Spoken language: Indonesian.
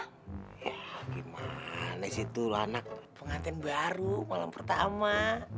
ya gimana sih tuh lo anak pengantin baru malam pertama